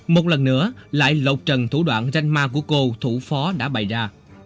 một lần nữa lại lột trần thủ đoạn ranh ma của cô thủ phó đã bày ra